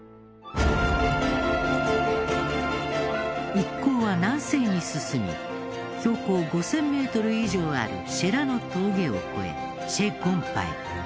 一行は南西に進み標高５０００メートル以上あるシェ・ラの峠を越えシェ・ゴンパへ。